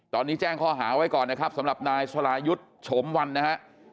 ตอนนี้แจ้งข้อหาไว้ก่อนนะครับสำหรับนายสรายุทธ์โฉมวันนะฮะ